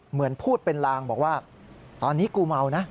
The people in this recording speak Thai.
เหมือนพูดเป็นลางบอกว่าตอนนี้กูเมานะ